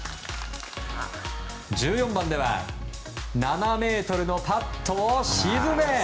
１４番では７ｍのパットを沈め